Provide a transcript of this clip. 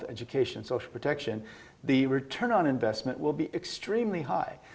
adalah untuk membawa